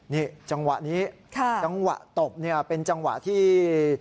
นี่จังหวะนี้จังหวะตบเนี่ยเป็นจังหวะที่